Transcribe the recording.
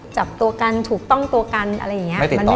จับตัวกันถูกต้องตัวกันอะไรอย่างนี้